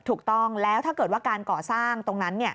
ถูกต้องแล้วถ้าเกิดว่าการก่อสร้างตรงนั้น